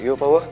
iya pak wo